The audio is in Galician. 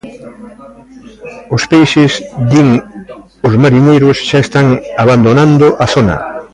Os peixes, din os mariñeiros, xa están abandonando a zona.